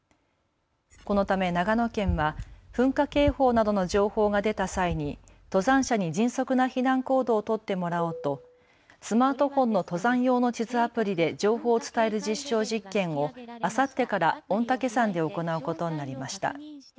このため長野県は噴火警報などの情報が出た際に登山者に迅速な避難行動を取ってもらおうとスマートフォンの登山用の地図アプリで情報を伝える実証実験をあさってから御嶽山で行うことになりました。